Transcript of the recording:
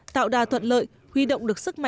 tạo đà thuận lợi huy động được sức mạnh